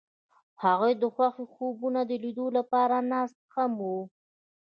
هغوی د خوښ خوبونو د لیدلو لپاره ناست هم وو.